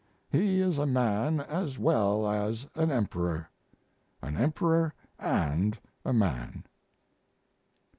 He is a man as well as an emperor an emperor and a man."